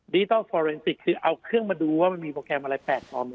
ดิจิทัลฟอเรนติกคือเอาเครื่องมาดูว่ามันมีโปรแกรมอะไรแปลกปลอม